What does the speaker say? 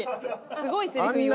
すごいセリフ言わせて。